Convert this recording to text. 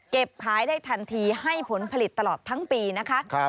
ขายได้ทันทีให้ผลผลิตตลอดทั้งปีนะคะ